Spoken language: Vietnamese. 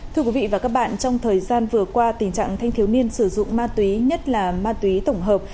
thưa quý vị và các bạn trong thời gian vừa qua tình trạng thanh thiếu niên sử dụng ma túy nhất là ma túy tổng hợp